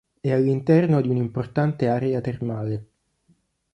È all'interno di un'importante area termale.